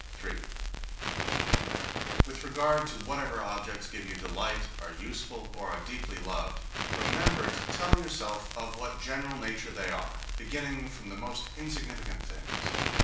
3. With regard to whatever objects give you delight, are useful, or are deeply loved, remember to tell yourself of what general nature they are, beginning from the most insignificant things.